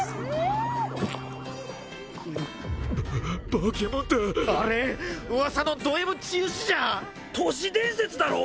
ババケモンだあれ噂のドＭ治癒士じゃ都市伝説だろ！？